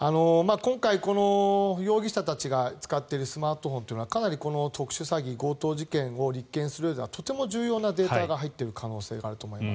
今回、この容疑者たちが使っているスマートフォンはかなり特殊詐欺、強盗事件を立件するうえでとても重要なデータが入っていると思います。